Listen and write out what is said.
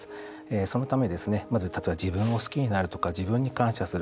そのため、まず例えば自分を好きになるとか自分に感謝する。